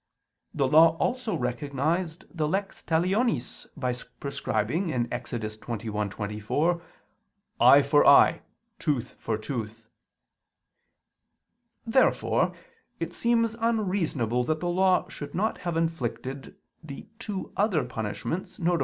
The Law also recognized the "lex talionis," by prescribing (Ex. 21:24): "Eye for eye, tooth for tooth." Therefore it seems unreasonable that the Law should not have inflicted the two other punishments, viz.